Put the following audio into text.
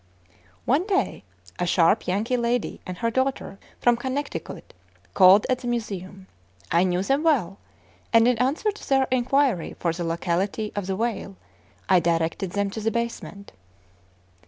One day, a sharp Yankee lady and her daughter, from Connecticut, called at the Museum. I knew them well; and in answer to their inquiry for the locality of the whale, I directed them to the basement.